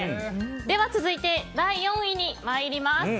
では続いて第４位に参ります。